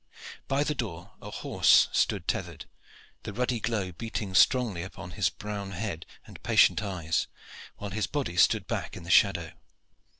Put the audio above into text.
By the door a horse stood tethered, the ruddy glow beating strongly upon his brown head and patient eyes, while his body stood back in the shadow.